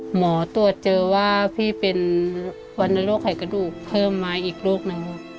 หมอตรวจเจอว่าพี่เป็นวรรณโรคไขกระดูกเพิ่มมาอีกโรคนึง